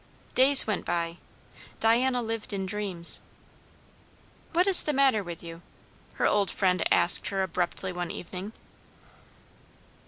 Days went by. Diana lived in dreams. "What is the matter with you?" her old friend asked her abruptly one evening.